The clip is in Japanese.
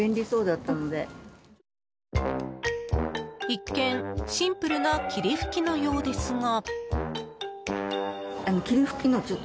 一見、シンプルな霧吹きのようですが。